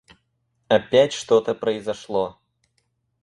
Опять что-то произошло!